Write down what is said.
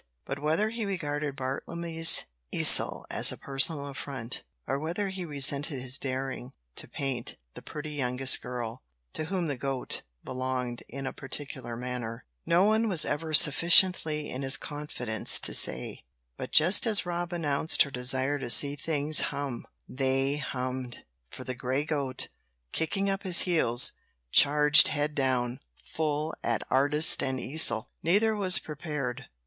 But whether he regarded Bartlemy's easel as a personal affront, or whether he resented his daring to paint the pretty youngest girl, to whom the goat belonged in a particular manner, no one was ever sufficiently in his confidence to say, but just as Rob announced her desire to see things hum, they hummed, for the grey goat, kicking up his heels, charged head down, full at artist and easel. Neither was prepared.